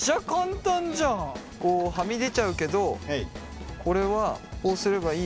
こうはみ出ちゃうけどこれはこうすればいいから。